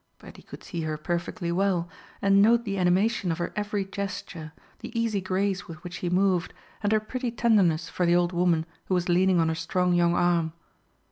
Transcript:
But he could see her perfectly well, and note the animation of her every gesture, the easy grace with which she moved, and her pretty tenderness for the old woman who was leaning on her strong young arm.